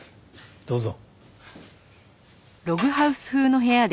どうぞ。